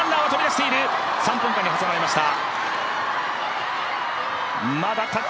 三本間に挟まれました。